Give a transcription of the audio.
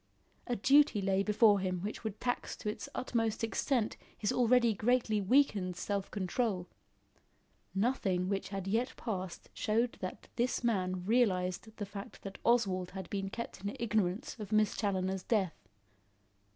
A duty lay before him which would tax to its utmost extent his already greatly weakened self control. Nothing which had yet passed showed that this man realised the fact that Oswald had been kept in ignorance of Miss Challoner's death.